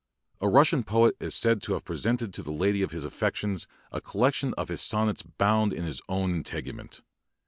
A Russian poet is said to have presented to the lady of his affections a collection of hia son nets bound in his own integument.